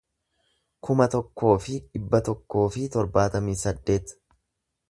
kuma tokkoo fi dhibba tokkoo fi torbaatamii saddeet